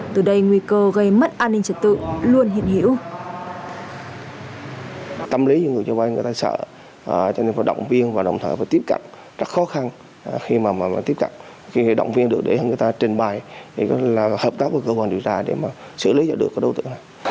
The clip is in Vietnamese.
từ đây nguy cơ gây mất an ninh trật tự luôn hiện hữu